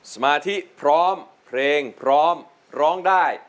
สมาธิพร้อมเพลงพร้อมร้องได้